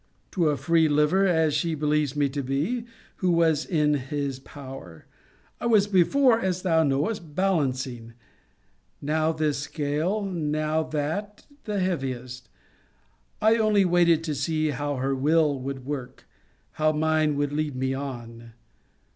To a free liver, as she believes me to be, who has her in his power! I was before, as thou knowest, balancing; now this scale, now that, the heaviest. I only waited to see how her will would work, how mine would lead me on.